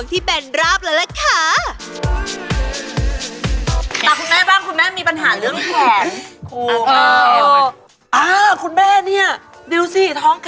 ค่ะค่ะงั้นใกล้กับสะพวก